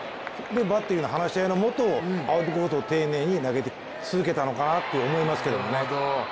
バッティングの話し合いのもとアウトコースを丁寧に投げ続けたのかなと思いますけどね。